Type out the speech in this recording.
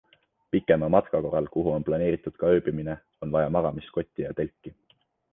Pikema matka korral, kuhu on planeeritud ka ööbimine, on vaja magamiskotti ja telki.